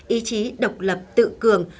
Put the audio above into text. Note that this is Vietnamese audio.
ý chí độc lập tự cường